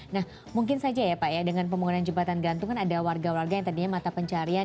nah mungkin saja ya pak ya dengan pembangunan jembatan gantung kan ada warga warga yang tadinya mata pencarian